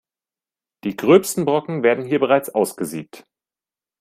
Die gröbsten Brocken werden hier bereits ausgesiebt.